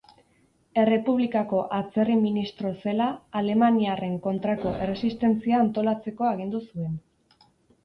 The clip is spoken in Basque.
Errepublikako Atzerri ministro zela, alemaniarren kontrako erresistentzia antolatzeko agindu zuen.